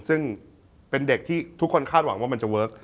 ซึ่งเป็นเด็กที่ทุกคนคาดหวังว่ามันจะเวิร์ค